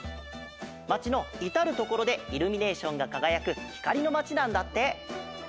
まちのいたるところでイルミネーションがかがやくひかりのまちなんだって！